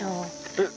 えっ？